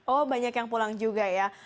oh banyak yang pulang juga ya